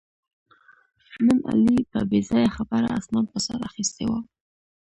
نن علي په بې ځایه خبره اسمان په سر اخیستی و